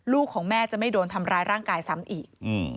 ของแม่จะไม่โดนทำร้ายร่างกายซ้ำอีก